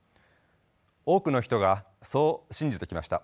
多くの人がそう信じてきました。